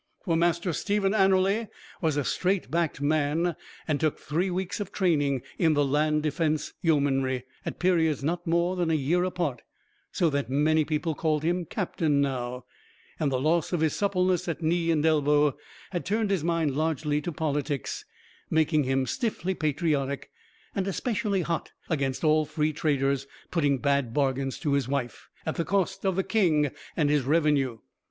For Master Stephen Anerley was a straight backed man, and took three weeks of training in the Land Defense Yeomanry, at periods not more than a year apart, so that many people called him "Captain" now; and the loss of his suppleness at knee and elbow had turned his mind largely to politics, making him stiffly patriotic, and especially hot against all free traders putting bad bargains to his wife, at the cost of the king and his revenue.